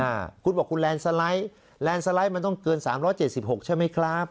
อ่าคุณบอกคุณแลนด์สไลด์แลนด์สไลด์มันต้องเกินสามร้อยเจ็ดสิบหกใช่ไหมครับ